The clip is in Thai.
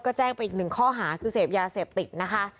ก็แจ้งไปอีกหนึ่งข้อหาคือเสพยาเสพติดนะคะ